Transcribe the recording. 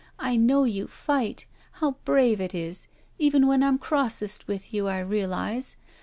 I know your fight. How brave it is. Even when I'm Grossest with you, I realize.